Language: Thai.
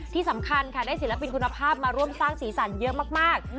ที่สำคัญค่ะได้ศิลปินคุณภาพมาร่วมสร้างสีสันเยอะมาก